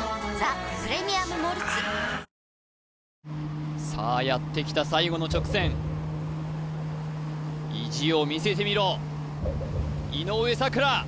あーさあやってきた最後の直線意地を見せてみろ井上咲楽